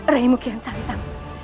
rai mukian salitang